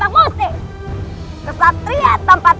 atau musti memberi wangi terj hu deter nativo